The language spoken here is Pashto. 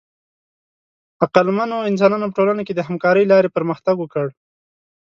عقلمنو انسانانو په ټولنه کې د همکارۍ له لارې پرمختګ وکړ.